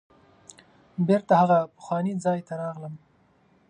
بیرته هغه پخواني ځای ته راغلم.